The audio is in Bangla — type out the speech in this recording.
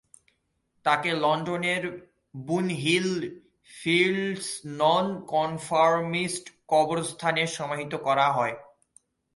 তাকে লন্ডনের বুনহিল ফিল্ডস নন-কনফর্মিস্ট কবরস্থানে সমাহিত করা হয়।